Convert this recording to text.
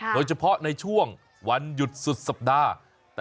โดยเฉพาะในช่วงวันหยุดสุดสัปดาห์